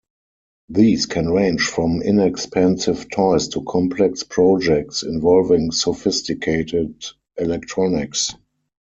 These can range from inexpensive toys to complex projects involving sophisticated electronics.